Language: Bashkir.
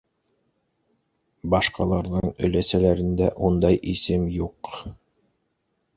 Башҡаларҙың өләсәләрендә ундай исем юҡ.